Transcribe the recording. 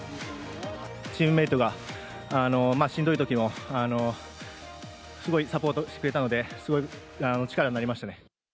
チームメートがしんどいときも、すごいサポートしてくれたので、すごい力になりましたね。